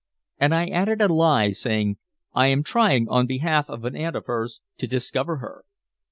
And I added a lie, saying: "I am trying, on behalf of an aunt of hers, to discover her."